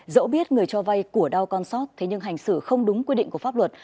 dẫu biết người cho vay của đau con sót thế nhưng hành xử không đúng quy định của pháp luật